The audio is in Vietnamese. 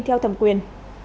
theo thẩm quyền